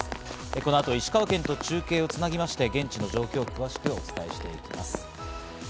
この後、石川県と中継をつなぎまして、現地の状況を詳しくお伝えしていきます。